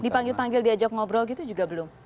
dipanggil panggil diajak ngobrol gitu juga belum